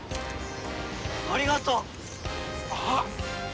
ありがとう！あっ！